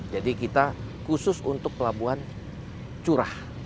jadi kita khusus untuk pelabuhan curah